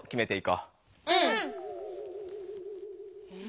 うん。